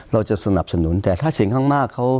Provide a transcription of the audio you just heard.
เราจะสนับสนุนแต่ถ้าเสียงข้างมากเขา